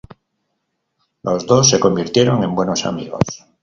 Los dos se convirtieron en buenos amigos.